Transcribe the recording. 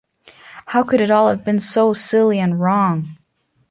How could it all have been so silly and wrong?